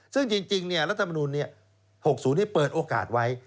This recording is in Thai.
ซึ่งจริงรัฐมนุษย์หกศูนย์เปิดโอกาสไว้